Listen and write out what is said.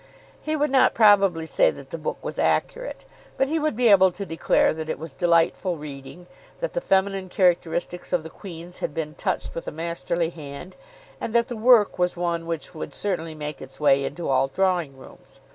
He would not probably say that the book was accurate, but he would be able to declare that it was delightful reading, that the feminine characteristics of the queens had been touched with a masterly hand, and that the work was one which would certainly make its way into all drawing rooms.